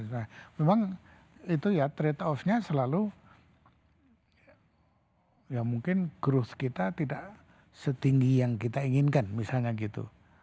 nah memang itu ya trade off nya selalu ya mungkin growth kita tidak setinggi yang kita inginkan misalnya gitu